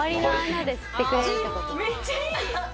めっちゃいい！